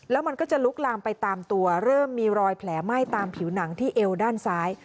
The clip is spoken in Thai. แล้วมันก็จะลุกลามไปตามตัวเริ่มมีรอยแผลไหม้ตามผิวหนังที่เอวด้านซ้าย